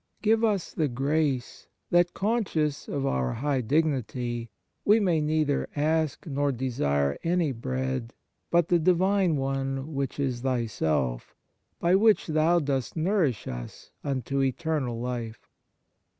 Give us the grace that, con scious of our high dignity, we may neither ask nor desire any Bread but the Divine one which is Thyself, by which Thou dost nourish us unto eternal life.